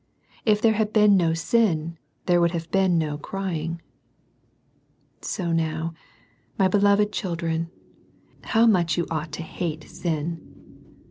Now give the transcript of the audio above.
If there had been no sin, there would have been no " crying." See now, my beloved children, how much you ought to hate sin.